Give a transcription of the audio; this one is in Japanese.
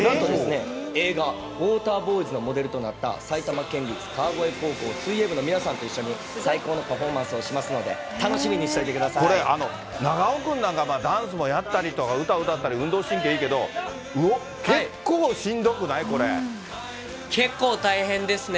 映画、ウォーターボーイズのモデルとなった埼玉県立川越高校水泳部の皆さんと一緒に最高のパフォーマンスをしますので、楽しみにしておこれ、長尾君なんか、ダンスもやったりとか、歌を歌ったりとか運動神経いいけど、結構、しん結構大変ですね。